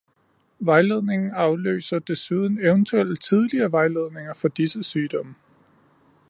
Vejledningen afløser desuden eventuelle tidligere vejledninger for disse sygdomme.